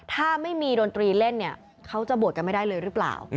ถ้าไม่มีดนตรีเล่นเนี่ยเขาจะบวชกันไม่ได้เลยหรือเปล่า